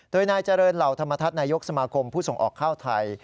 โดยนายเจริญเหล่าธรรมทัศน์นายกสมาคมผู้ส่งออกข้าวไทย